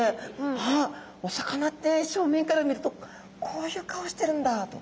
あっお魚ってしょうめんから見るとこういう顔してるんだと。